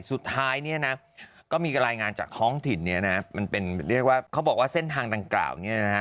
สุดท้ายเนี่ยนะก็มีรายงานจากท้องถิ่นเนี่ยนะมันเป็นเรียกว่าเขาบอกว่าเส้นทางดังกล่าวเนี่ยนะฮะ